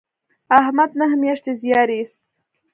احمد نهه میاشتې زیار ایست.